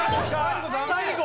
最後！